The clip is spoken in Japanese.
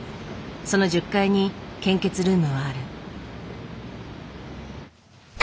その１０階に献血ルームはある。